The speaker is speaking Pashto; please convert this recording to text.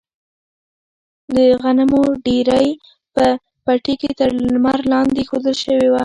د غنمو ډیرۍ په پټي کې تر لمر لاندې ایښودل شوې وه.